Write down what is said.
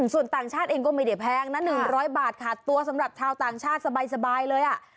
ส่วนต่างชาติเองก็ไม่ได้แพงนะ๑๐๐บาทค่ะตัวสำหรับชาวต่างชาติสบายเลยอ่ะ